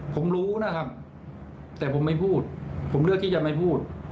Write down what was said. ผมรู้นะครับแต่ผมไม่พูดผมเลือกที่จะไม่พูด